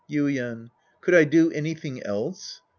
Yuien. Could I do anything else?